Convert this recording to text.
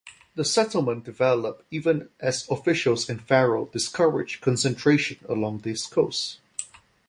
The settlement developed even as officials in Faro discouraged concentration along this coast.